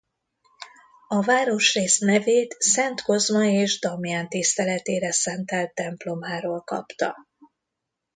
A városrész nevét Szent Kozma és Damján tiszteletére szentelt templomáról kapta.